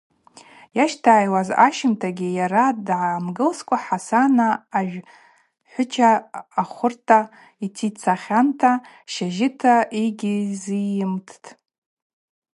Йащтагӏайуаз ащымтагьи йара дгӏамгылскӏва Хӏасана ажвхӏвыча ахӏвырта йтицахьанта, щажьыта йыгьйызйымттӏ.